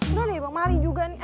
udah deh bang mari juga nih